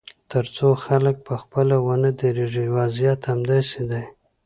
تر څو خلک پخپله ونه درېږي، وضعیت همداسې دی.